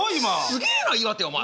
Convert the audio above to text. すげえな岩手お前。